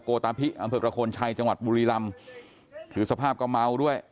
ตาพิอำเภอประโคนชัยจังหวัดบุรีลำคือสภาพก็เมาด้วย